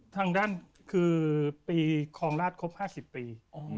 ทางด้านคือปีคลองราชครบ๕๐ปี